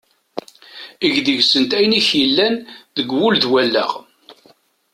Eg deg-sent ayen i k-yellan deg wul d wallaɣ.